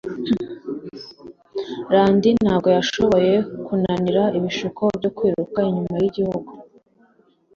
Randy ntabwo yashoboye kunanira ibishuko byo kwiruka inyuma yigihugu